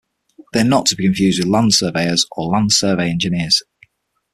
They are not to be confused with Land Surveyors or Land Survey Engineers.